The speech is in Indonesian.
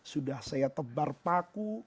sudah saya tebar paku